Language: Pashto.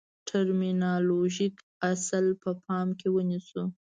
ټرمینالوژیک اصل په پام کې ونیسو.